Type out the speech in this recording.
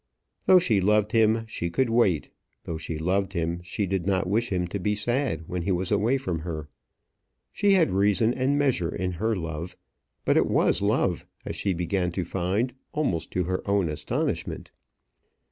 Though she loved him, she could wait; though she loved him, she did not wish him to be sad when he was away from her. She had reason and measure in her love; but it was love, as she began to find almost to her own astonishment.